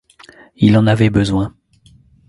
Il en avait besoin.